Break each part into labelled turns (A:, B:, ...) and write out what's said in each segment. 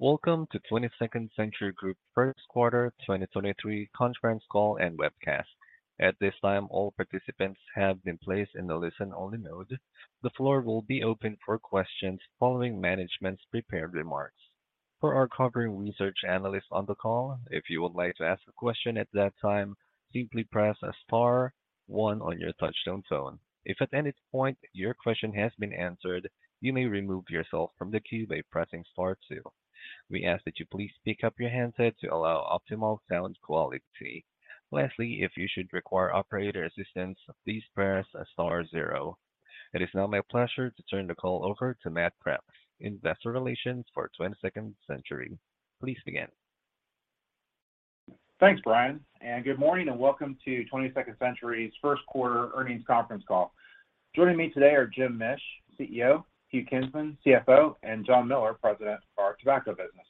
A: Welcome to 22nd Century Group's first quarter 2023 conference call and webcast. At this time, all participants have been placed in a listen-only mode. The floor will be open for questions following management's prepared remarks. For our covering research analysts on the call, if you would like to ask a question at that time, simply press *1 on your touchtone phone. If at any point your question has been answered, you may remove yourself from the queue by pressing *2. We ask that you please pick up your handset to allow optimal sound quality. Lastly, if you should require operator assistance, please press *0. It is now my pleasure to turn the call over to Matt Kreps, Investor Relations for 22nd Century. Please begin.
B: Thanks, Brian, and good morning and welcome to 22nd Century's first quarter earnings conference call. Joining me today are Jim Mish, CEO, Hugh Kinsman, CFO, and John Miller, President of our tobacco business.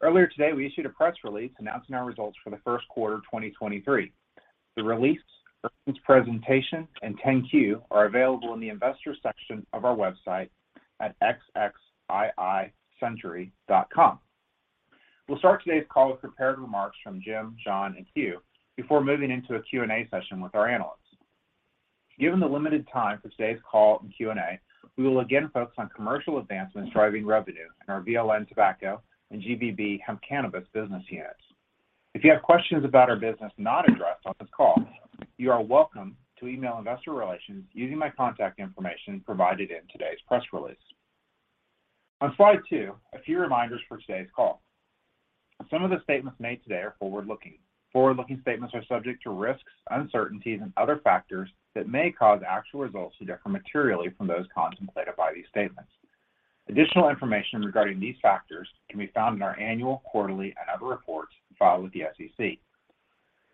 B: Earlier today, we issued a press release announcing our results for the first quarter of 2023. The release, earnings presentation, and Form 10-Q are available in the Investors section of our website at xxiicentury.com. We'll start today's call with prepared remarks from Jim, John, and Hugh before moving into a Q&A session with our analysts. Given the limited time for today's call and Q&A, we will again focus on commercial advancements driving revenue in our VLN tobacco and GVB hemp cannabis business units. If you have questions about our business not addressed on this call, you are welcome to email investor relations using my contact information provided in today's press release. On Slide 2, a few reminders for today's call. Some of the statements made today are forward-looking. Forward-looking statements are subject to risks, uncertainties, and other factors that may cause actual results to differ materially from those contemplated by these statements. Additional information regarding these factors can be found in our annual, quarterly, and other reports filed with the SEC.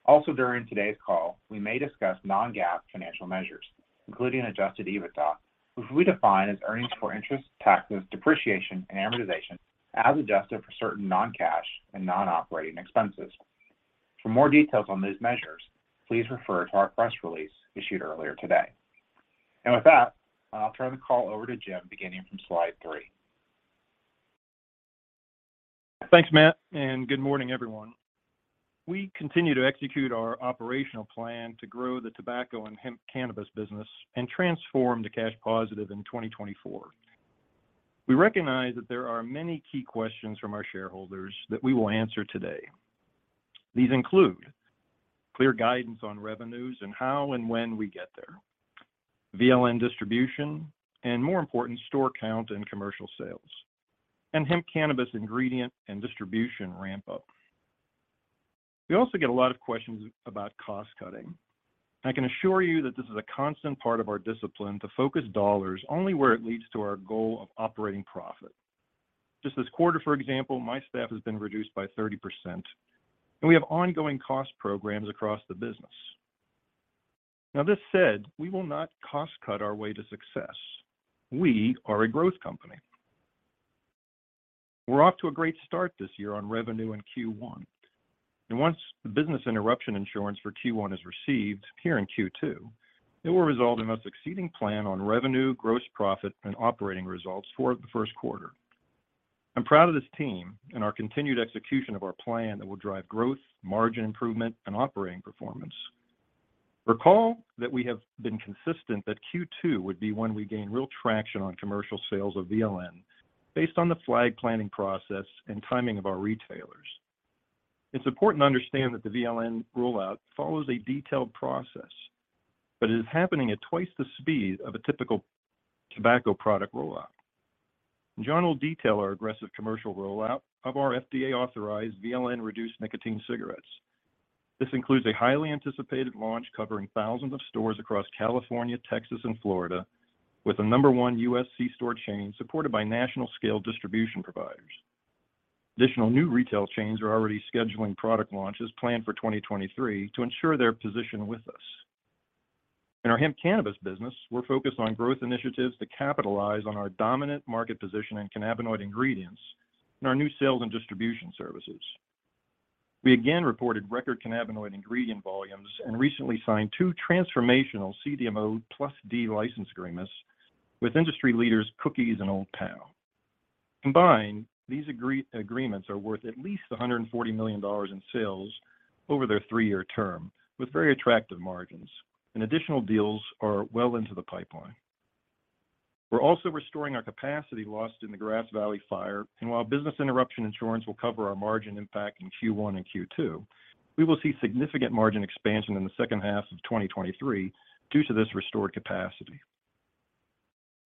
B: Also during today's call, we may discuss non-GAAP financial measures, including Adjusted EBITDA, which we define as earnings before interest, taxes, depreciation, and amortization, as adjusted for certain non-cash and non-operating expenses. For more details on these measures, please refer to our press release issued earlier today. With that, I'll turn the call over to Jim beginning from Slide 3.
C: Thanks, Matt, and good morning, everyone. We continue to execute our operational plan to grow the tobacco and hemp cannabis business and transform to cash positive in 2024. We recognize that there are many key questions from our shareholders that we will answer today. These include clear guidance on revenues and how and when we get there, VLN distribution, and more important, store count and commercial sales, and hemp cannabis ingredient and distribution ramp-up. We also get a lot of questions about cost cutting. I can assure you that this is a constant part of our discipline to focus dollars only where it leads to our goal of operating profit. Just this quarter, for example, my staff has been reduced by 30%, and we have ongoing cost programs across the business. Now this said, we will not cost-cut our way to success. We are a growth company. We're off to a great start this year on revenue in Q1. Once the business interruption insurance for Q1 is received here in Q2, it will result in us exceeding plan on revenue, gross profit, and operating results for the first quarter. I'm proud of this team and our continued execution of our plan that will drive growth, margin improvement, and operating performance. Recall that we have been consistent that Q2 would be when we gain real traction on commercial sales of VLN based on the flag planning process and timing of our retailers. It's important to understand that the VLN rollout follows a detailed process, but it is happening at twice the speed of a typical tobacco product rollout. John will detail our aggressive commercial rollout of our FDA-authorized VLN reduced nicotine cigarettes. This includes a highly anticipated launch covering thousands of stores across California, Texas, and Florida with the number one U.S. C-store chain supported by national scale distribution providers. Additional new retail chains are already scheduling product launches planned for 2023 to ensure their position with us. In our hemp cannabis business, we're focused on growth initiatives to capitalize on our dominant market position in cannabinoid ingredients and our new sales and distribution services. We again reported record cannabinoid ingredient volumes and recently signed two transformational CDMO+D license agreements with industry leaders, Cookies and Old Pal. Combined, these agreements are worth at least $140 million in sales over their three-year term with very attractive margins, and additional deals are well into the pipeline. We're also restoring our capacity lost in the Grass Valley fire, and while business interruption insurance will cover our margin impact in Q1 and Q2, we will see significant margin expansion in the second half of 2023 due to this restored capacity.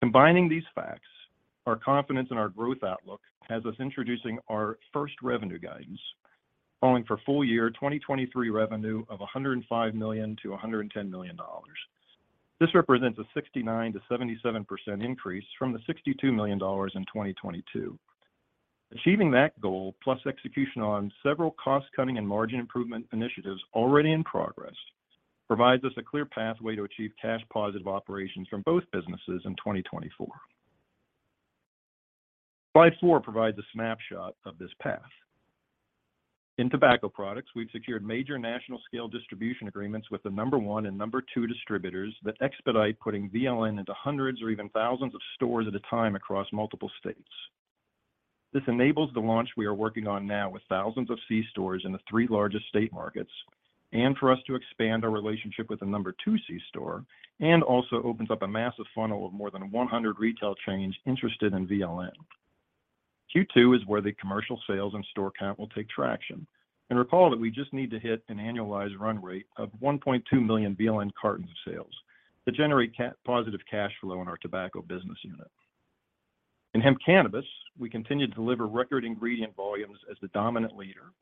C: Combining these facts, our confidence in our growth outlook has us introducing our first revenue guidance, calling for full year 2023 revenue of $105 million-$110 million. This represents a 69%-77% increase from the $62 million in 2022. Achieving that goal, plus execution on several cost-cutting and margin improvement initiatives already in progress, provides us a clear pathway to achieve cash positive operations from both businesses in 2024. Slide 4 provides a snapshot of this path. In tobacco products, we've secured major national scale distribution agreements with the number one and number two distributors that expedite putting VLN into hundreds or even thousands of stores at a time across multiple states. This enables the launch we are working on now with thousands of C-stores in the three largest state markets, and for us to expand our relationship with the number two C-store, and also opens up a massive funnel of more than 100 retail chains interested in VLN. Q2 is where the commercial sales and store count will take traction. Recall that we just need to hit an annualized run rate of $1.2 million VLN cartons of sales to generate positive cash flow in our tobacco business unit. In hemp cannabis, we continue to deliver record ingredient volumes as the dominant leader.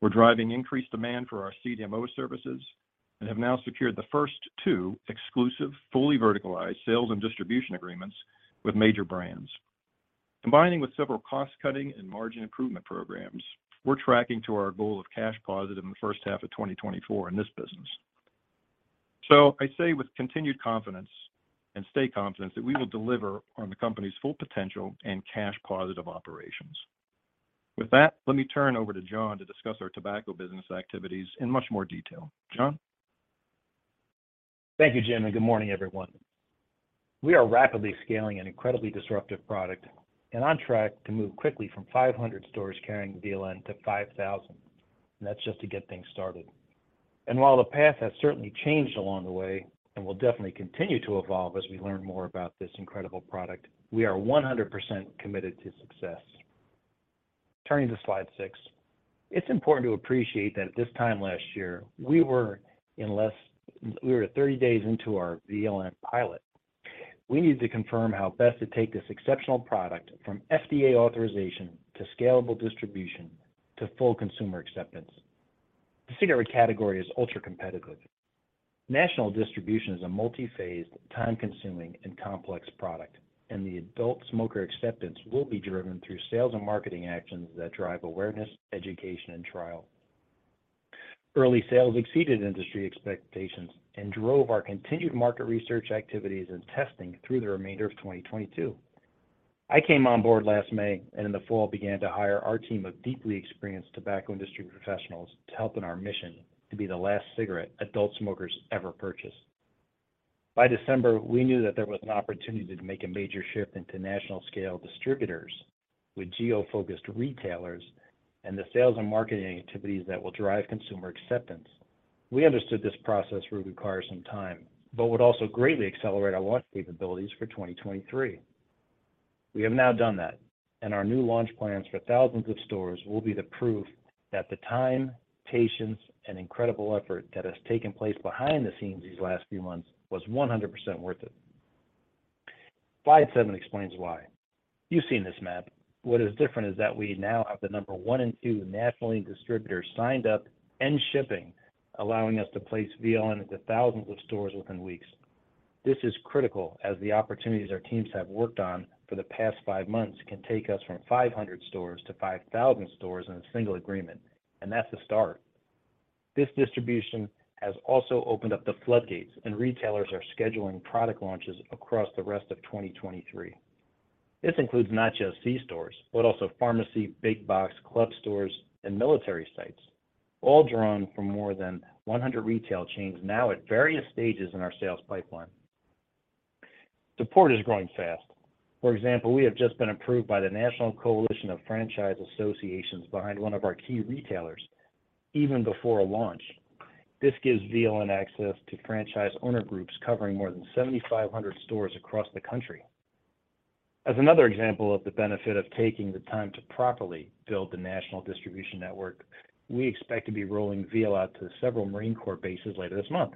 C: We're driving increased demand for our CDMO services, and have now secured the first two exclusive, fully verticalized sales and distribution agreements with major brands. Combining with several cost-cutting and margin improvement programs, we're tracking to our goal of cash-positive in the first half of 2024 in this business. I say with continued confidence and steadfast confidence that we will deliver on the company's full potential and cash positive operations. With that, let me turn over to John to discuss our tobacco business activities in much more detail. John?
D: Thank you, Jim, and good morning, everyone. We are rapidly scaling an incredibly disruptive product and on track to move quickly from 500 stores carrying VLN to 5,000, and that's just to get things started. While the path has certainly changed along the way and will definitely continue to evolve as we learn more about this incredible product, we are 100% committed to success. Turning to Slide 6. It's important to appreciate that at this time last year, we were 30 days into our VLN pilot. We needed to confirm how best to take this exceptional product from FDA authorization to scalable distribution to full consumer acceptance. The cigarette category is ultra-competitive. National distribution is a multi-phased, time-consuming, and complex product, and the adult smoker acceptance will be driven through sales and marketing actions that drive awareness, education, and trial. Early sales exceeded industry expectations and drove our continued market research activities and testing through the remainder of 2022. I came on board last May and in the fall began to hire our team of deeply experienced tobacco industry professionals to help in our mission to be the last cigarette adult smokers ever purchase. By December, we knew that there was an opportunity to make a major shift into national scale distributors with geo-focused retailers and the sales and marketing activities that will drive consumer acceptance. We understood this process would require some time, but would also greatly accelerate our launch capabilities for 2023. We have now done that, and our new launch plans for thousands of stores will be the proof that the time, patience, and incredible effort that has taken place behind the scenes these last few months was 100% worth it. Slide 7 explains why. You've seen this map. What is different is that we now have the number one and two national distributors signed up and shipping, allowing us to place VLN into thousands of stores within weeks. This is critical as the opportunities our teams have worked on for the past five months can take us from 500 stores to 5,000 stores in a single agreement, and that's the start. This distribution has also opened up the floodgates, and retailers are scheduling product launches across the rest of 2023. This includes not just C-stores, but also pharmacy, big box, club stores, and military sites, all drawn from more than 100 retail chains now at various stages in our sales pipeline. Support is growing fast. For example, we have just been approved by the National Coalition of Franchise Associations behind one of our key retailers even before a launch. This gives VLN access to franchise owner groups covering more than 7,500 stores across the country. As another example of the benefit of taking the time to properly build the national distribution network, we expect to be rolling VLN out to several Marine Corps bases later this month.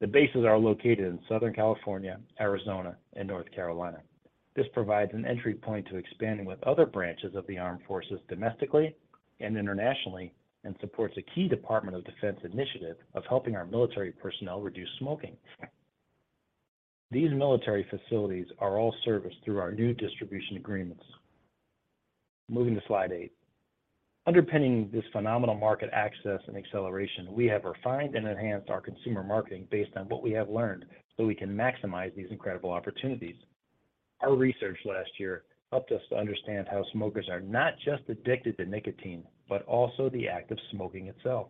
D: The bases are located in Southern California, Arizona, and North Carolina. This provides an entry point to expanding with other branches of the Armed Forces domestically and internationally and supports a key Department of Defense initiative of helping our military personnel reduce smoking. These military facilities are all serviced through our new distribution agreements. Moving to Slide 8. Underpinning this phenomenal market access and acceleration, we have refined and enhanced our consumer marketing based on what we have learned so we can maximize these incredible opportunities. Our research last year helped us to understand how smokers are not just addicted to nicotine, but also the act of smoking itself.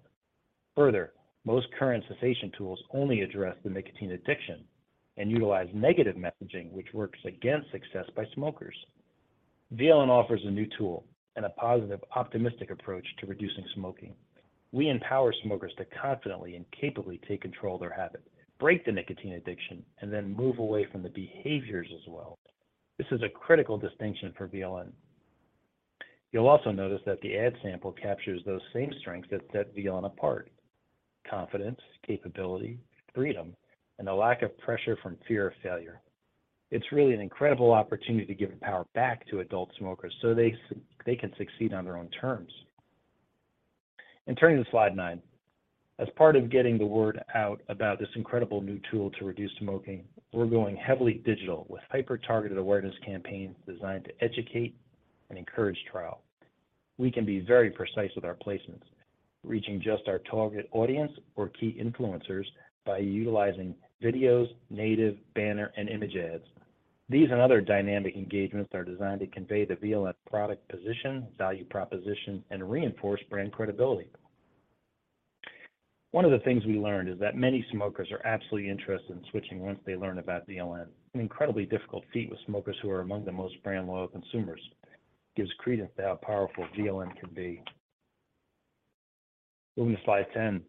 D: Most current cessation tools only address the nicotine addiction and utilize negative messaging, which works against success by smokers. VLN offers a new tool and a positive, optimistic approach to reducing smoking. We empower smokers to confidently and capably take control of their habit, break the nicotine addiction, and then move away from the behaviors as well. This is a critical distinction for VLN. You'll also notice that the ad sample captures those same strengths that set VLN apart: confidence, capability, freedom, and a lack of pressure from fear of failure. It's really an incredible opportunity to give power back to adult smokers so they can succeed on their own terms. Turning to Slide 9. As part of getting the word out about this incredible new tool to reduce smoking, we're going heavily digital with hyper-targeted awareness campaigns designed to educate and encourage trial. We can be very precise with our placements, reaching just our target audience or key influencers by utilizing videos, native banner, and image ads. These and other dynamic engagements are designed to convey the VLN product position, value proposition, and reinforce brand credibility. One of the things we learned is that many smokers are absolutely interested in switching once they learn about VLN. An incredibly difficult feat with smokers who are among the most brand-loyal consumers. Gives credence to how powerful VLN can be. Moving to Slide 10.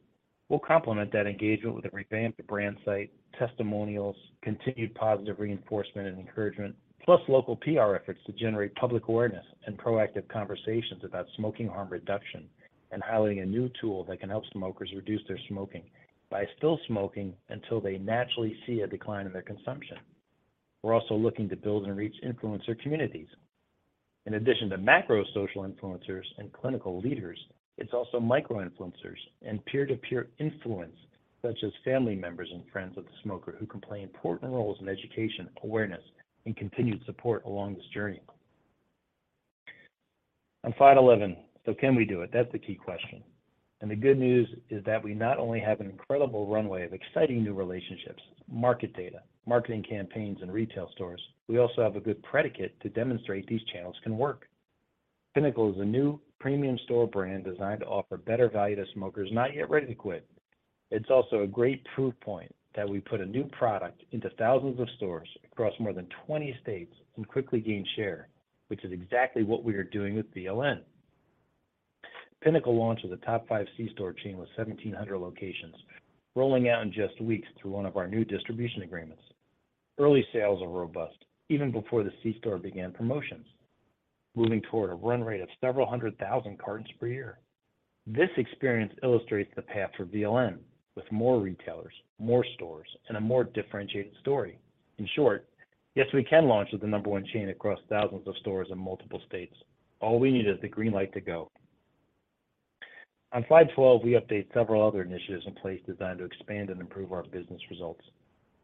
D: We'll complement that engagement with a revamped brand site, testimonials, continued positive reinforcement and encouragement, plus local PR efforts to generate public awareness and proactive conversations about smoking harm reduction and highlighting a new tool that can help smokers reduce their smoking by still smoking until they naturally see a decline in their consumption. We're also looking to build and reach influencer communities. In addition to macro social influencers and clinical leaders, it's also micro influencers and peer-to-peer influence such as family members and friends of the smoker who can play important roles in education, awareness, and continued support along this journey. On Slide 11. Can we do it? That's the key question. The good news is that we not only have an incredible runway of exciting new relationships, market data, marketing campaigns, and retail stores, we also have a good predicate to demonstrate these channels can work. Pinnacle is a new premium store brand designed to offer better value to smokers not yet ready to quit. It's also a great proof point that we put a new product into thousands of stores across more than 20 states and quickly gain share, which is exactly what we are doing with VLN. Pinnacle launch with a top five C-store chain with 1,700 locations rolling out in just weeks through one of our new distribution agreements. Early sales are robust even before the C-store began promotions, moving toward a run rate of several hundred thousand cartons per year. This experience illustrates the path for VLN with more retailers, more stores, and a more differentiated story. In short, yes, we can launch with the number one chain across thousands of stores in multiple states. All we need is the green light to go. On Slide 12, we update several other initiatives in place designed to expand and improve our business results.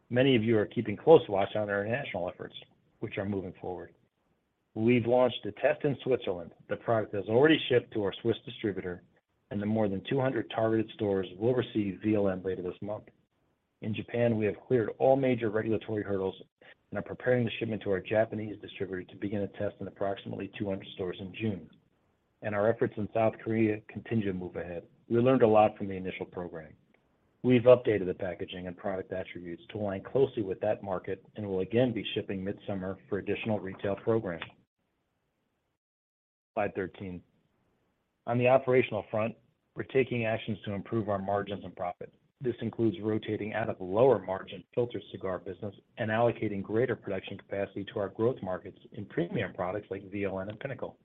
D: Many of you are keeping close watch on our international efforts, which are moving forward. We've launched a test in Switzerland. The product has already shipped to our Swiss distributor, and the more than 200 targeted stores will receive VLN later this month. In Japan, we have cleared all major regulatory hurdles and are preparing the shipment to our Japanese distributor to begin a test in approximately 200 stores in June. Our efforts in South Korea continue to move ahead. We learned a lot from the initial program. We've updated the packaging and product attributes to align closely with that market and will again be shipping midsummer for additional retail programming. Slide 13. On the operational front, we're taking actions to improve our margins and profit. This includes rotating out of the lower margin filter cigar business and allocating greater production capacity to our growth markets in premium products like VLN and Pinnacle.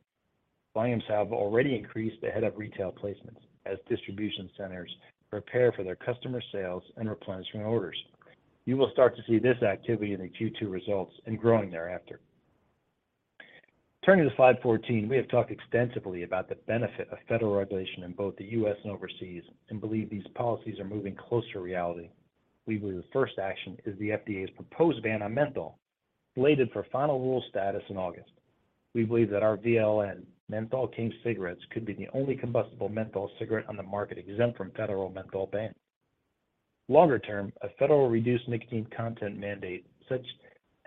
D: Volumes have already increased ahead of retail placements as distribution centers prepare for their customer sales and replenishment orders. You will start to see this activity in the Q2 results and growing thereafter. Turning to Slide 14, we have talked extensively about the benefit of federal regulation in both the U.S. and overseas and believe these policies are moving close to reality. We believe the first action is the FDA's proposed ban on menthol, slated for final rule status in August. We believe that our VLN Menthol King cigarettes could be the only combustible menthol cigarette on the market exempt from federal menthol ban. Longer term, a federal reduced nicotine content mandate, such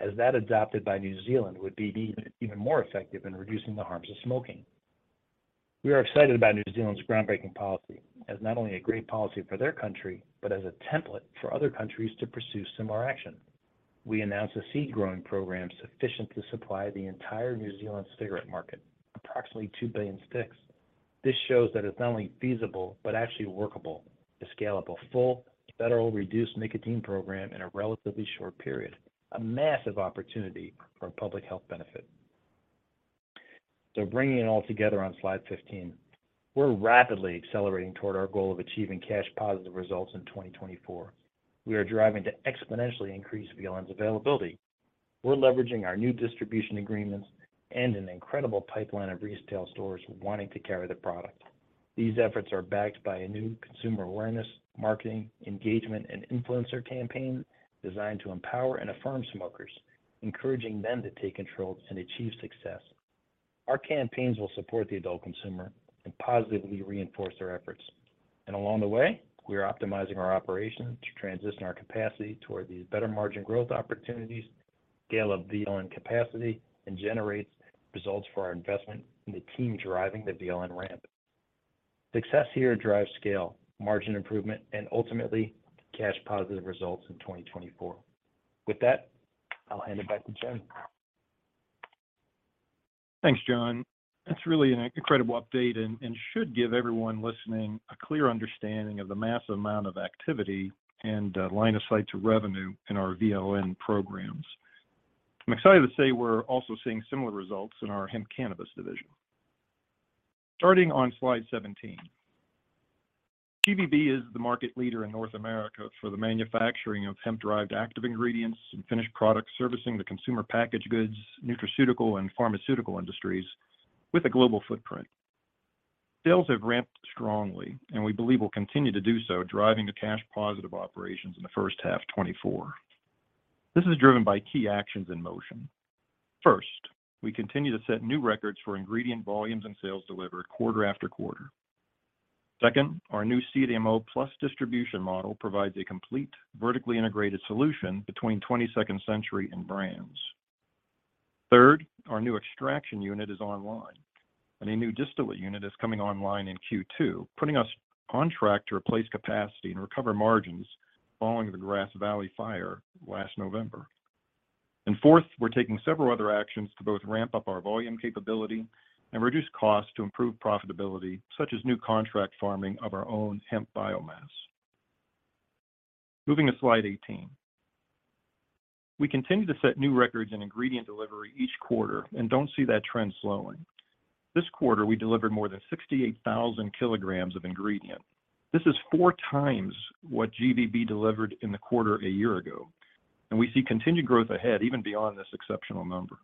D: as that adopted by New Zealand, would be even more effective in reducing the harms of smoking. We are excited about New Zealand's groundbreaking policy as not only a great policy for their country, but as a template for other countries to pursue similar action. We announced a seed growing program sufficient to supply the entire New Zealand cigarette market, approximately 2 billion sticks. This shows that it's not only feasible, but actually workable to scale up a full federal reduced nicotine program in a relatively short period, a massive opportunity for public health benefit. Bringing it all together on Slide 15. We're rapidly accelerating toward our goal of achieving cash positive results in 2024. We are driving to exponentially increase VLN's availability. We're leveraging our new distribution agreements and an incredible pipeline of retail stores wanting to carry the product. These efforts are backed by a new consumer awareness, marketing, engagement, and influencer campaign designed to empower and affirm smokers, encouraging them to take control and achieve success. Our campaigns will support the adult consumer and positively reinforce their efforts. Along the way, we are optimizing our operations to transition our capacity toward these better margin growth opportunities, scale up VLN capacity, and generate results for our investment in the team driving the VLN ramp. Success here drives scale, margin improvement, and ultimately cash positive results in 2024. With that, I'll hand it back to Jim.
C: Thanks, John. That's really an incredible update and should give everyone listening a clear understanding of the massive amount of activity and line of sight to revenue in our VLN programs. I'm excited to say we're also seeing similar results in our hemp cannabis division. Starting on Slide 17. GVB is the market leader in North America for the manufacturing of hemp-derived active ingredients and finished products servicing the consumer packaged goods, nutraceutical, and pharmaceutical industries with a global footprint. Sales have ramped strongly and we believe will continue to do so, driving to cash positive operations in the first half 2024. This is driven by key actions in motion. First, we continue to set new records for ingredient volumes and sales delivered quarter after quarter. Second, our new CDMO+D model provides a complete vertically integrated solution between 22nd Century and Brands. Third, our new extraction unit is online, a new distillate unit is coming online in Q2, putting us on track to replace capacity and recover margins following the Grass Valley fire last November. Fourth, we're taking several other actions to both ramp up our volume capability and reduce costs to improve profitability, such as new contract farming of our own hemp biomass. Moving to Slide 18. We continue to set new records in ingredient delivery each quarter and don't see that trend slowing. This quarter, we delivered more than 68,000 kilograms of ingredient. This is four times what GVB delivered in the quarter a year ago, and we see continued growth ahead even beyond this exceptional number.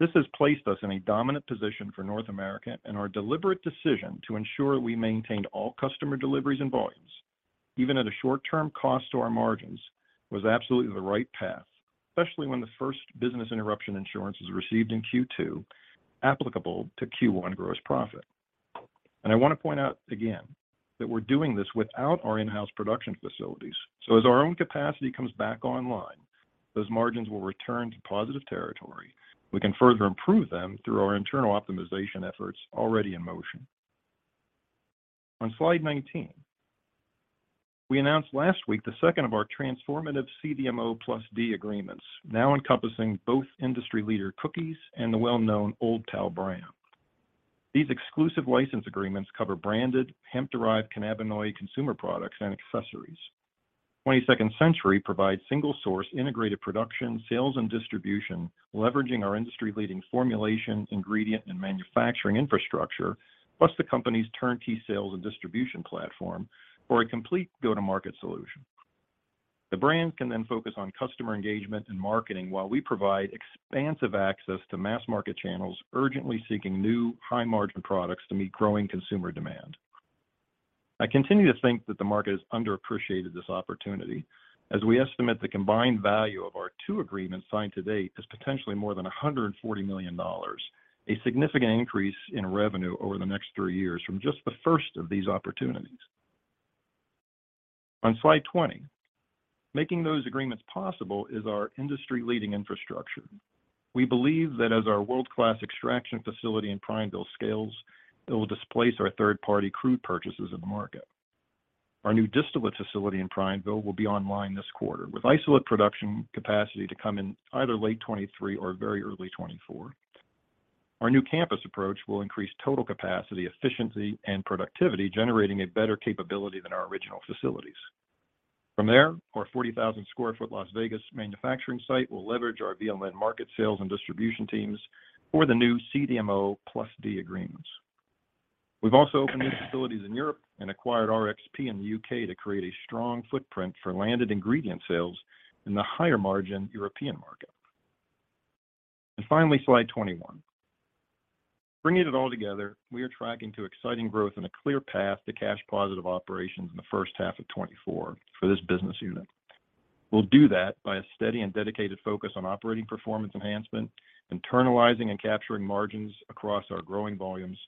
C: This has placed us in a dominant position for North America, our deliberate decision to ensure we maintained all customer deliveries and volumes, even at a short-term cost to our margins, was absolutely the right path, especially when the first business interruption insurance is received in Q2 applicable to Q1 gross profit. I want to point out again that we're doing this without our in-house production facilities. As our own capacity comes back online, those margins will return to positive territory. We can further improve them through our internal optimization efforts already in motion. On Slide 19. We announced last week the second of our transformative CDMO+D agreements, now encompassing both industry leader Cookies and the well-known Old Pal brand. These exclusive license agreements cover branded hemp-derived cannabinoid consumer products and accessories. 22nd Century Group provides single-source integrated production, sales and distribution, leveraging our industry-leading formulation, ingredient and manufacturing infrastructure, plus the company's turnkey sales and distribution platform for a complete go-to-market solution. The brands can then focus on customer engagement and marketing while we provide expansive access to mass market channels urgently seeking new high-margin products to meet growing consumer demand. I continue to think that the market has underappreciated this opportunity, as we estimate the combined value of our two agreements signed to date is potentially more than $140 million, a significant increase in revenue over the next three years from just the first of these opportunities. Slide 20. Making those agreements possible is our industry-leading infrastructure. We believe that as our world-class extraction facility in Prineville scales, it will displace our third-party crude purchases in the market. Our new distillate facility in Prineville will be online this quarter, with isolate production capacity to come in either late 2023 or very early 2024. Our new campus approach will increase total capacity, efficiency and productivity, generating a better capability than our original facilities. From there, our 40,000 sq ft Las Vegas manufacturing site will leverage our VLN market sales and distribution teams for the new CDMO+D agreements. We've also opened new facilities in Europe and acquired RX Pharmatech. to create a strong footprint for landed ingredient sales in the higher-margin European market. Finally, Slide 21. Bringing it all together, we are tracking to exciting growth and a clear path to cash positive operations in the first half of 2024 for this business unit. We'll do that by a steady and dedicated focus on operating performance enhancement, internalizing and capturing margins across our growing volumes,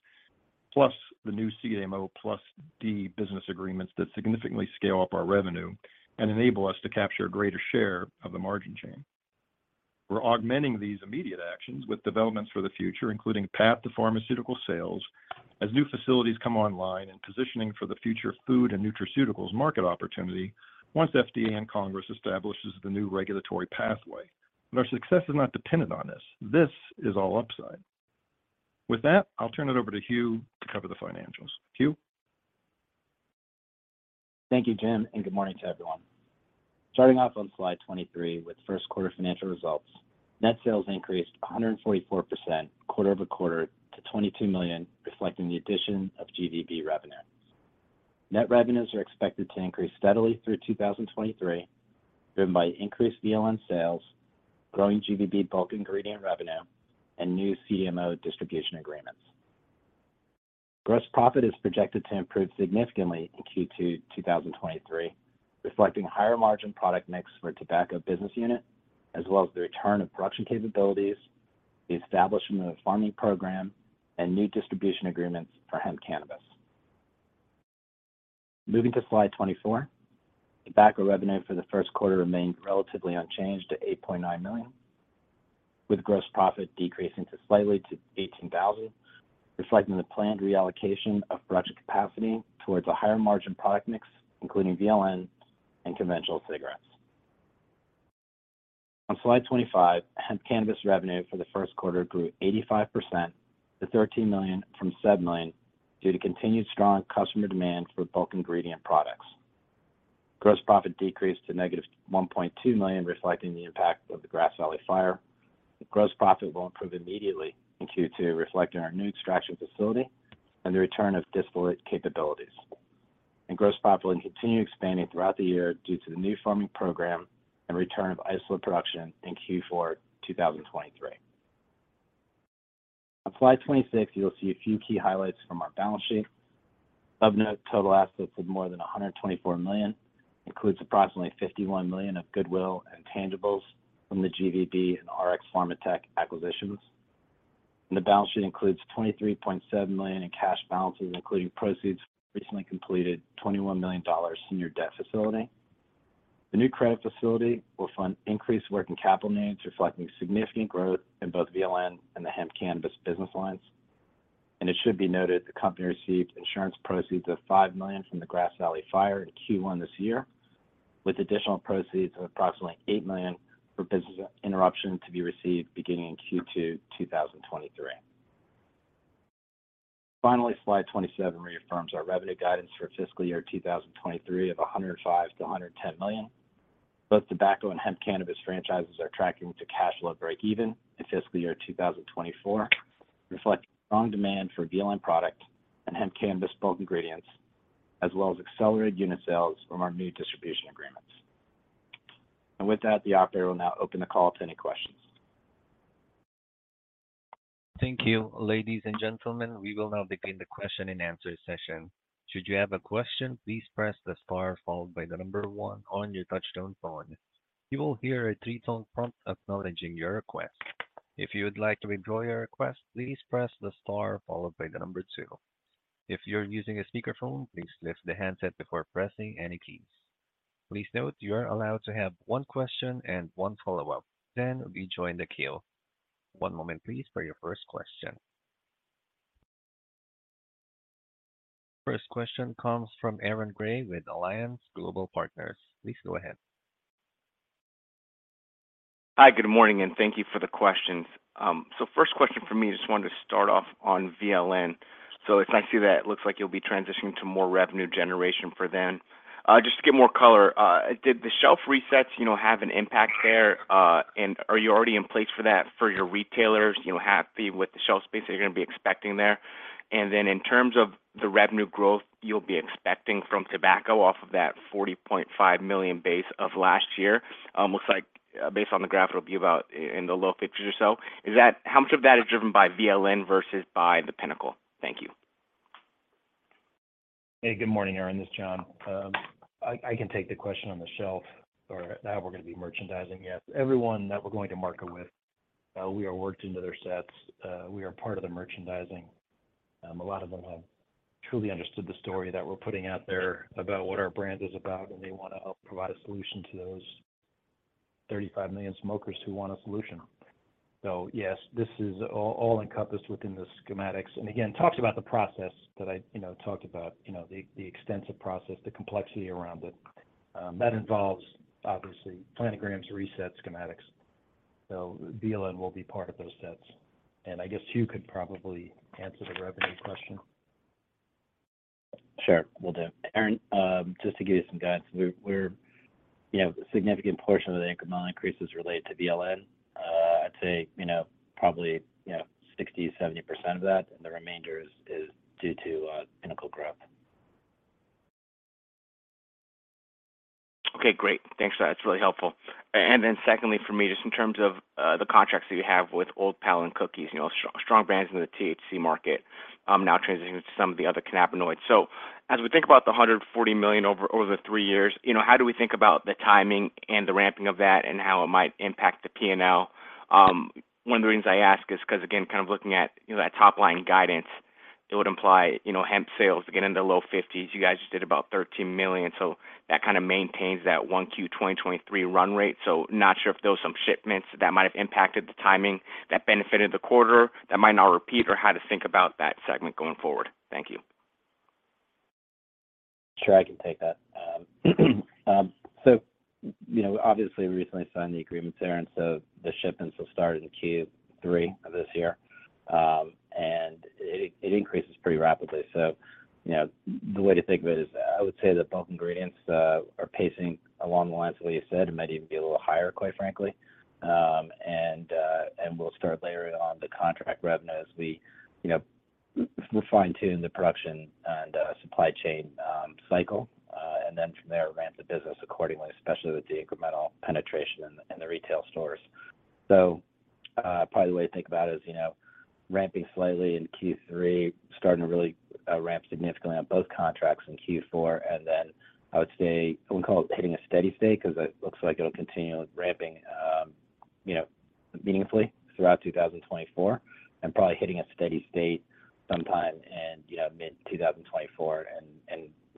C: plus the new CDMO+D business agreements that significantly scale up our revenue and enable us to capture a greater share of the margin chain. We're augmenting these immediate actions with developments for the future, including path to pharmaceutical sales as new facilities come online and positioning for the future food and nutraceuticals market opportunity once FDA and Congress establishes the new regulatory pathway. Our success is not dependent on this. This is all upside. With that, I'll turn it over to Hugh to cover the financials. Hugh.
E: Thank you, Jim. Good morning to everyone. Starting off on Slide 23 with first quarter financial results. Net sales increased 144% quarter-over-quarter to $22 million, reflecting the addition of GVB revenues. Net revenues are expected to increase steadily through 2023, driven by increased VLN sales, growing GVB bulk ingredient revenue, and new CDMO distribution agreements. Gross profit is projected to improve significantly in Q2 2023, reflecting higher margin product mix for tobacco business unit, as well as the return of production capabilities, the establishment of the farming program and new distribution agreements for hemp cannabis. Moving to Slide 24. Tobacco revenue for the first quarter remained relatively unchanged to $8.9 million, with gross profit decreasing to slightly to $18,000, reflecting the planned reallocation of production capacity towards a higher margin product mix, including VLN and conventional cigarettes. On Slide 25, hemp cannabis revenue for the first quarter grew 85% to $13 million from $7 million due to continued strong customer demand for bulk ingredient products. Gross profit decreased to -$1.2 million, reflecting the impact of the Grass Valley fire. Gross profit will improve immediately in Q2, reflecting our new extraction facility and the return of distillate capabilities. Gross profit will continue expanding throughout the year due to the new farming program and return of isolate production in Q4 2023. On Slide 26, you'll see a few key highlights from our balance sheet. Of note, total assets of more than $124 million includes approximately $51 million of goodwill and tangibles from the GVB and RX Pharmatech acquisitions. The balance sheet includes $23.7 million in cash balances, including proceeds recently completed $21 million senior debt facility. The new credit facility will fund increased working capital needs, reflecting significant growth in both VLN and the hemp cannabis business lines. It should be noted the company received insurance proceeds of $5 million from the Grass Valley fire in Q1 this year, with additional proceeds of approximately $8 million for business interruption to be received beginning in Q2 2023. Finally, Slide 27 reaffirms our revenue guidance for fiscal year 2023 of $105 million-$110 million. Both tobacco and hemp cannabis franchises are tracking to cash flow breakeven in fiscal year 2024, reflecting strong demand for VLN product and hemp cannabis bulk ingredients, as well as accelerated unit sales from our new distribution agreements. With that, the operator will now open the call to any questions.
A: Thank you. Ladies and gentlemen, we will now begin the question and answer session. Should you have a question, please press the *1 on your touchtone phone. You will hear a three-tone prompt acknowledging your request. If you would like to withdraw your request, please press the *2. If you're using a speakerphone, please lift the handset before pressing any keys. Please note you are allowed to have one question and one follow-up, then rejoin the queue. One moment please for your First question. First question comes from Aaron Grey with Alliance Global Partners. Please go ahead.
F: Hi, good morning, and thank you for the questions. First question for me, just wanted to start off on VLN. It's nice to see that it looks like you'll be transitioning to more revenue generation for them. Just to get more color, did the shelf resets, you know, have an impact there? Are you already in place for that for your retailers? You know, happy with the shelf space that you're gonna be expecting there? Then in terms of the revenue growth you'll be expecting from tobacco off of that $40.5 million base of last year, looks like based on the graph, it'll be about in the low 50s or so. How much of that is driven by VLN versus by the Pinnacle? Thank you.
D: Hey, good morning, Aaron. This is John. I can take the question on the shelf or how we're gonna be merchandising. Yes. Everyone that we're going to market with, we are worked into their sets. We are part of the merchandising. A lot of them have truly understood the story that we're putting out there about what our brand is about, and they wanna help provide a solution to those 35 million smokers who want a solution. Yes, this is all encompassed within the schematics. Again, talks about the process that I, you know, talked about, you know, the extensive process, the complexity around it, that involves obviously planograms, resets, schematics. VLN will be part of those sets, and I guess Hugh could probably answer the revenue question.
E: Sure, will do. Aaron, just to give you some guidance, we're, you know, a significant portion of the incremental increase is related to VLN. I'd say, you know, probably, you know, 60%-70% of that, and the remainder is due to Pinnacle growth.
F: Okay, great. Thanks for that. It's really helpful. Secondly, for me, just in terms of the contracts that you have with Old Pal and Cookies, you know, strong brands in the THC market, now transitioning to some of the other cannabinoids. As we think about the $140 million over the three years, you know, how do we think about the timing and the ramping of that and how it might impact the P&L? One of the reasons I ask is 'cause again, kind of looking at, you know, that top-line guidance, it would imply, you know, hemp sales to get into the low 50s. You guys just did about $13 million, so that kinda maintains that 1Q 2023 run rate. Not sure if there was some shipments that might have impacted the timing that benefited the quarter that might not repeat or how to think about that segment going forward. Thank you.
E: Sure, I can take that. You know, obviously we recently signed the agreement, Aaron, the shipments will start in Q3 of this year. It increases pretty rapidly. You know, the way to think of it is I would say that bulk ingredients are pacing along the lines of what you said. It might even be a little higher, quite frankly. We'll start layering on the contract revenue as we, you know, we'll fine-tune the production and supply chain cycle, from there, ramp the business accordingly, especially with the incremental penetration in the retail stores. Probably the way to think about it is, you know, ramping slightly in Q3, starting to really ramp significantly on both contracts in Q4. I would say we call it hitting a steady state 'cause it looks like it'll continue ramping, you know, meaningfully throughout 2024 and probably hitting a steady state sometime in, you know, mid 2024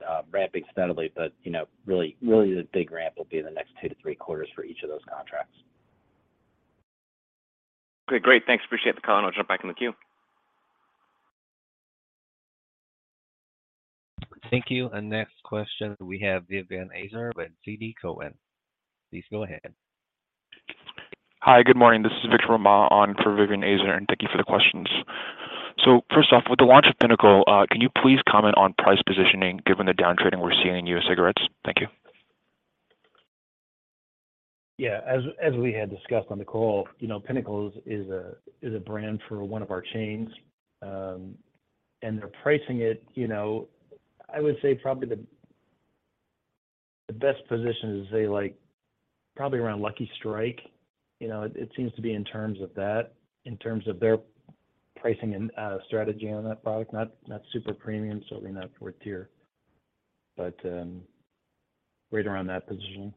E: and ramping steadily. You know, really the big ramp will be in the next two to three quarters for each of those contracts.
F: Okay, great. Thanks. Appreciate the call, and I'll jump back in the queue.
A: Thank you. Next question we have Vivien Azer with TD Cowen. Please go ahead.
G: Hi, good morning. This is Victor Ma on for Vivien Azer, and thank you for the questions. First off, with the launch of Pinnacle, can you please comment on price positioning given the downtrending we're seeing in U.S. cigarettes? Thank you.
D: Yeah. As we had discussed on the call, you know, Pinnacle is a brand for one of our chains, and they're pricing it, you know, I would say probably the best position is say like probably around Lucky Strike. You know, it seems to be in terms of that, in terms of their pricing and strategy on that product. Not super-premium, certainly not fourth-tier, but right around that position.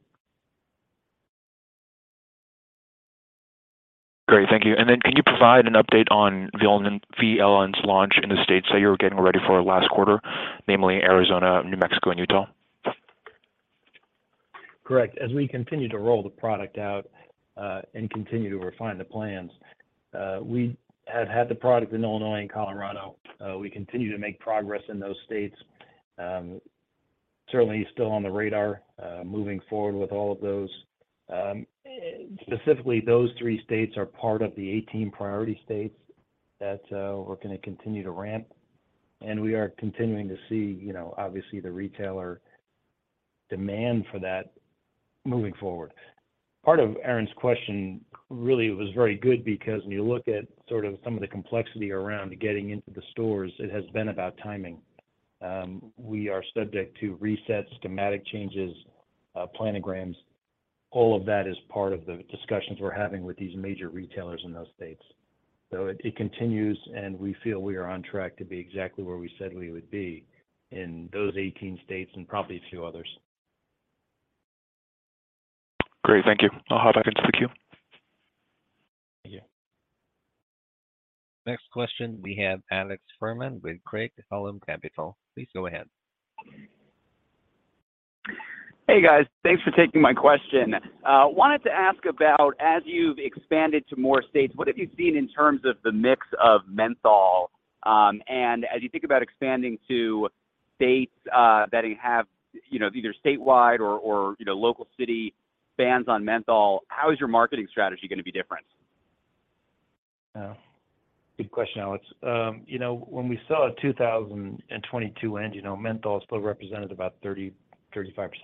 G: Great. Thank you. Then can you provide an update on VLN's launch in the states that you were getting ready for last quarter, namely Arizona, New Mexico and Utah?
D: Correct. As we continue to roll the product out, and continue to refine the plans, we have had the product in Illinois and Colorado. We continue to make progress in those states. Certainly still on the radar, moving forward with all of those. Specifically, those three states are part of the 18 priority states that we're gonna continue to ramp, and we are continuing to see, you know, obviously the retailer demand for that moving forward. Part of Aaron's question really was very good because when you look at sort of some of the complexity around getting into the stores, it has been about timing. We are subject to resets, schematic changes, planograms. All of that is part of the discussions we're having with these major retailers in those states. It continues, and we feel we are on track to be exactly where we said we would be in those 18 states and probably a few others.
G: Great. Thank you. I'll hop back into the queue.
D: Thank you.
A: Next question we have Alex Fuhrman with Craig-Hallum Capital. Please go ahead.
H: Hey, guys. Thanks for taking my question. Wanted to ask about, as you've expanded to more states, what have you seen in terms of the mix of menthol? As you think about expanding to states, that have, you know, either statewide or, you know, local city bans on menthol, how is your marketing strategy gonna be different?
D: Yeah. Good question, Alex. You know, when we saw at 2022 end, you know, menthol still represented about 30%-35%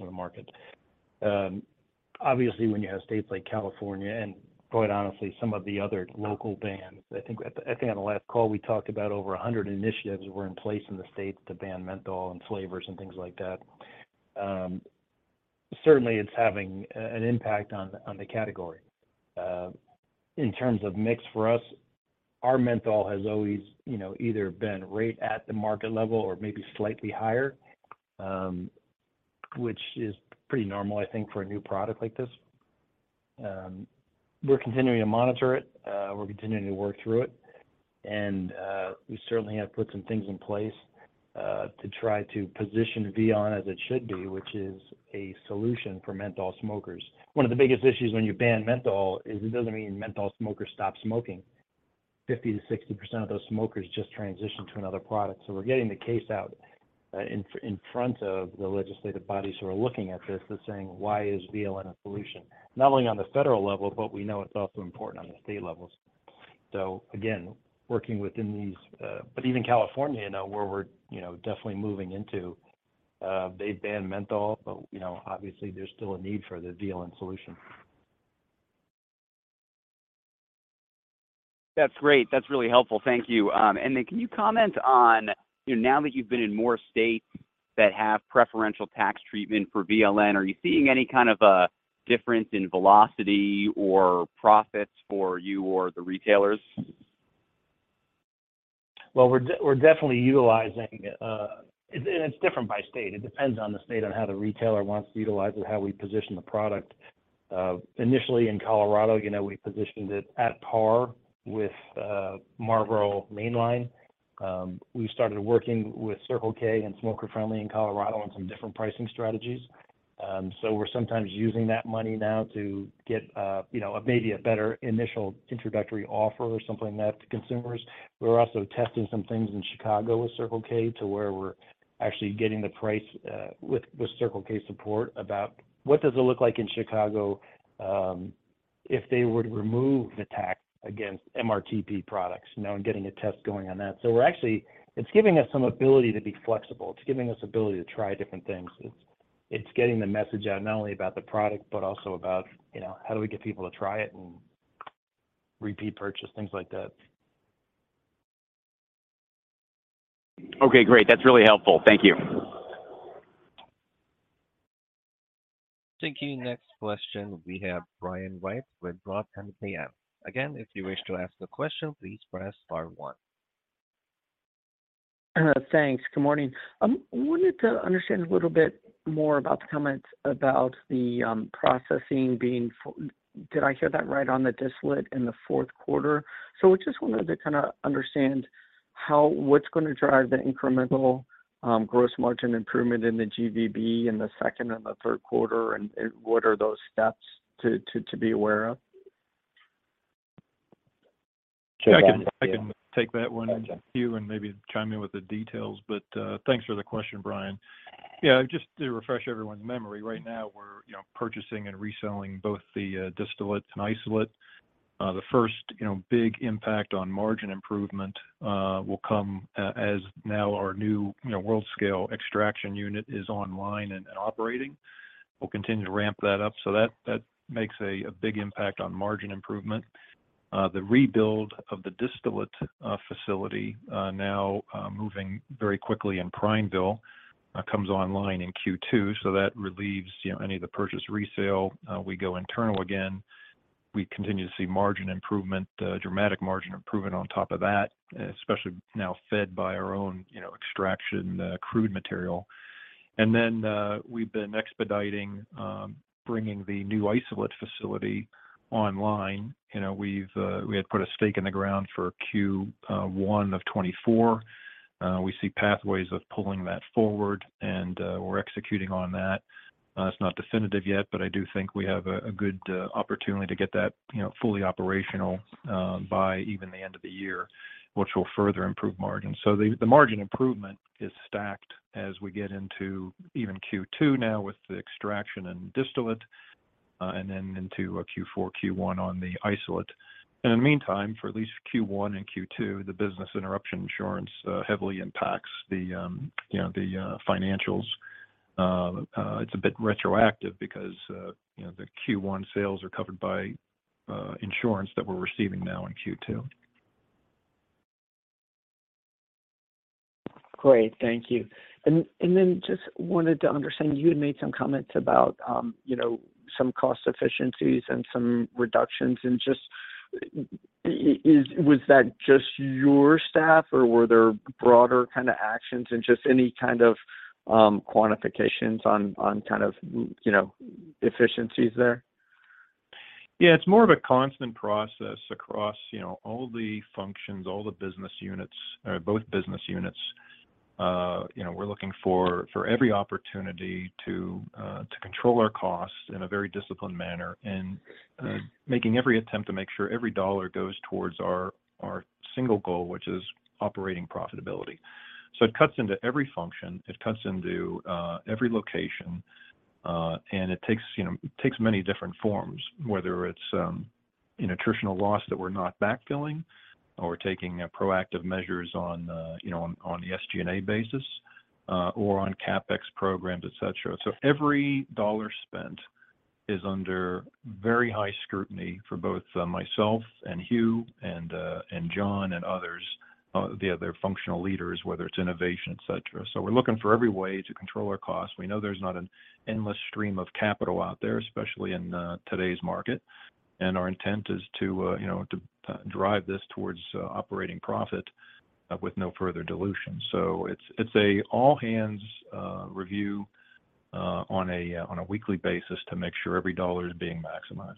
D: of the market. Obviously, when you have states like California and, quite honestly, some of the other local bans, I think on the last call, we talked about over 100 initiatives were in place in the states to ban menthol and flavors and things like that. Certainly it's having an impact on the category. In terms of mix for us, our menthol has always, you know, either been right at the market level or maybe slightly higher, which is pretty normal, I think, for a new product like this. We're continuing to monitor it, we're continuing to work through it. We certainly have put some things in place to try to position Beyond as it should be, which is a solution for menthol smokers. One of the biggest issues when you ban menthol is it doesn't mean menthol smokers stop smoking. 50%-60% of those smokers just transition to another product. We're getting the case out in front of the legislative bodies who are looking at this as saying, "Why is VLN a solution?" Not only on the federal level, but we know it's also important on the state levels. Again, working within these. Even California now, where we're, you know, definitely moving into, they've banned menthol, but, you know, obviously there's still a need for the VLN solution.
H: That's great. That's really helpful. Thank you. Can you comment on, you know, now that you've been in more states that have preferential tax treatment for VLN, are you seeing any kind of a difference in velocity or profits for you or the retailers?
D: Well, we're definitely utilizing. It's different by state. It depends on the state on how the retailer wants to utilize it, how we position the product. Initially in Colorado, you know, we positioned it at par with Marlboro Mainline. We started working with Circle K and Smoker Friendly in Colorado on some different pricing strategies. We're sometimes using that money now to get, you know, maybe a better initial introductory offer or something like that to consumers. We're also testing some things in Chicago with Circle K to where we're actually getting the price with Circle K's support about what does it look like in Chicago if they were to remove the tax against MRTP products, you know, and getting a test going on that. It's giving us some ability to be flexible. It's giving us ability to try different things. It's getting the message out not only about the product, but also about, you know, how do we get people to try it and repeat purchase, things like that.
H: Okay, great. That's really helpful. Thank you.
A: Thank you. Next question we have Brian White with Rodman & Renshaw. Again, if you wish to ask the question, please press *1.
I: Thanks. Good morning. Wanted to understand a little bit more about the comment about the processing being Did I hear that right on the distillate in the fourth quarter? I just wanted to kinda understand how, what's gonna drive the incremental, gross margin improvement in the GVB in the second and the third quarter, and what are those steps to be aware of?
D: Sure. I can take that one, Hugh, and maybe chime in with the details. Thanks for the question, Brian. Just to refresh everyone's memory, right now we're, you know, purchasing and reselling both the distillate and isolate. The first, you know, big impact on margin improvement, will come as now our new, you know, world-scale extraction unit is online and operating. We'll continue to ramp that up. That makes a big impact on margin improvement. The rebuild of the distillate facility, now moving very quickly in Prineville, comes online in Q2, so that relieves, you know, any of the purchase resale. We go internal again. We continue to see margin improvement, dramatic margin improvement on top of that, especially now fed by our own, you know, extraction, crude material. We've been expediting bringing the new isolate facility online. You know, we've we had put a stake in the ground for Q1 of 2024. We see pathways of pulling that forward, and we're executing on that. It's not definitive yet, but I do think we have a good opportunity to get that, you know, fully operational by even the end of the year, which will further improve margins. The margin improvement is stacked as we get into even Q2 now with the extraction and distillate, and then into a Q4, Q1 on the isolate. In the meantime, for at least Q1 and Q2, the business interruption insurance heavily impacts the, you know, the financials. It's a bit retroactive because, you know, the Q1 sales are covered by insurance that we're receiving now in Q2.
I: Great. Thank you. Then just wanted to understand, you had made some comments about, you know, some cost efficiencies and some reductions. Was that just your staff or were there broader kind of actions, and just any kind of quantifications on kind of, you know, efficiencies there?
C: It's more of a constant process across, you know, all the functions, all the business units, both business units. You know, we're looking for every opportunity to control our costs in a very disciplined manner and making every attempt to make sure every dollar goes towards our single goal, which is operating profitability. It cuts into every function, it cuts into every location, and it takes, you know, many different forms, whether it's, you know, attritional loss that we're not backfilling or taking proactive measures on, you know, on the SG&A basis, or on CapEx programs, et cetera. Every dollar spent is under very high scrutiny for both myself and Hugh and John and others, the other functional leaders, whether it's innovation, et cetera. We're looking for every way to control our costs. We know there's not an endless stream of capital out there, especially in today's market, and our intent is to, you know, to drive this towards operating profit with no further dilution. It's, it's a all-hands review on a weekly basis to make sure every dollar is being maximized.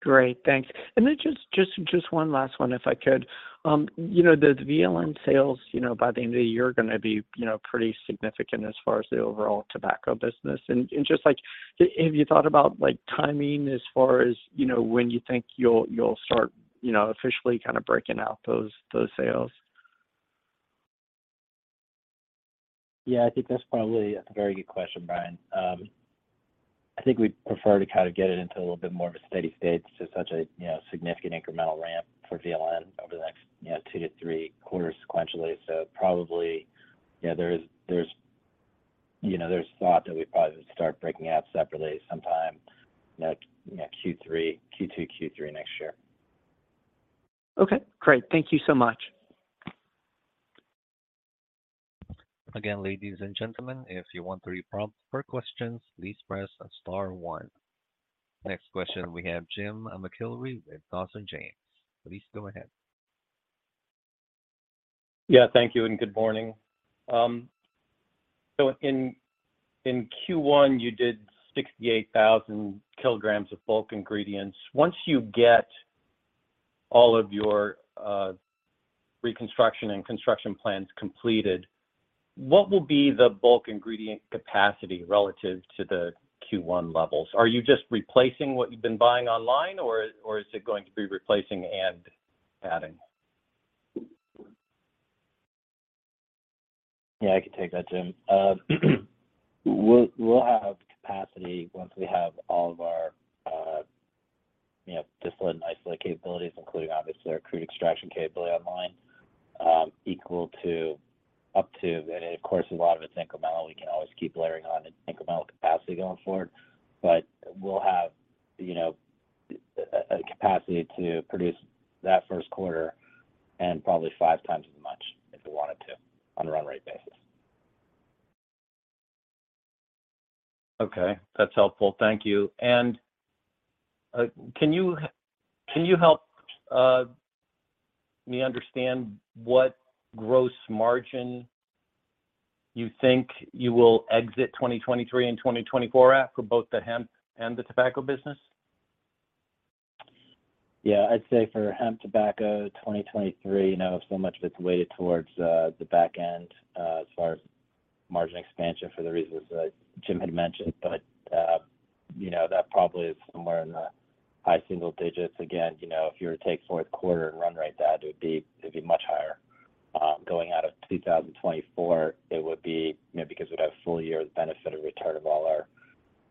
I: Great. Thanks. Then just one last one, if I could. You know, the VLN sales, you know, by the end of the year are gonna be, you know, pretty significant as far as the overall tobacco business. Just like, have you thought about, like, timing as far as, you know, when you think you'll start, you know, officially kind of breaking out those sales?
E: Yeah. I think that's probably a very good question, Brian. I think we'd prefer to kind of get it into a little bit more of a steady state. This is such a, you know, significant incremental ramp for VLN over the next, you know, two to three quarters sequentially. Probably, you know, there's, you know, there's thought that we probably start breaking out separately sometime, you know, you know, Q3, Q2, Q3 next year.
I: Okay, great. Thank you so much.
A: Ladies and gentlemen, if you want to be prompt for questions, please press *1. Next question we have Jim McIlree with Dawson James. Please go ahead.
J: Yeah. Thank you and good morning. In Q1 you did 68,000 kilograms of bulk ingredients. Once you get all of your reconstruction and construction plans completed, what will be the bulk ingredient capacity relative to the Q1 levels? Are you just replacing what you've been buying online or is it going to be replacing and adding?
E: Yeah, I can take that, Jim. We'll have capacity once we have all of our, you know, distillate and isolate capabilities, including obviously our crude extraction capability online, equal to up to. Of course, a lot of it's incremental. We can always keep layering on incremental capacity going forward. We'll have, you know, a capacity to produce that first quarter and probably five times as much if we wanted to on a run rate basis.
J: Okay. That's helpful. Thank you. Can you help me understand what gross margin you think you will exit 2023 and 2024 at for both the hemp and the tobacco business?
E: Yeah. I'd say for hemp, tobacco, 2023, you know, so much of it's weighted towards the back end, as far as margin expansion for the reasons that Jim Mish had mentioned. That probably is somewhere in the high-single-digits%. Again, you know, if you were to take fourth quarter and run right that, it would be much higher. Going out of 2024, it would be, you know, because we'd have full year's benefit of return of all our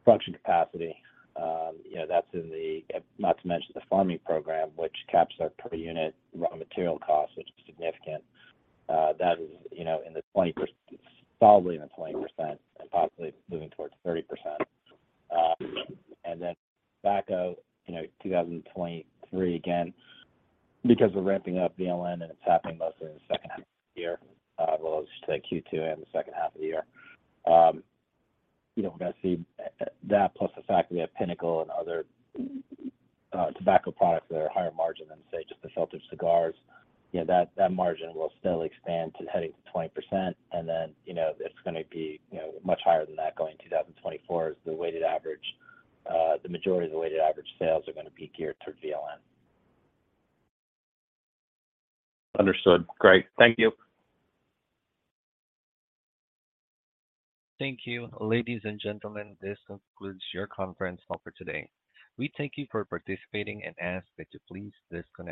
E: function capacity. You know, not to mention the farming program, which caps our per unit raw material cost, which is significant. That is, you know, in the 20%, solidly in the 20% and possibly moving towards 30%. tobacco, you know, 2023, again, because we're ramping up VLN and it's happening mostly in the second half of the year, well, let's just say Q2 and the second half of the year, you know, we're gonna see that plus the fact that we have Pinnacle and other tobacco products that are higher margin than, say, just the filtered cigars. That margin will still expand to heading to 20% and then, you know, it's gonna be, you know, much higher than that going 2024 as the weighted average. The majority of the weighted average sales are gonna be geared toward VLN.
J: Understood. Great. Thank you.
A: Thank you. Ladies and gentlemen, this concludes your conference call for today. We thank you for participating and ask that you please disconnect.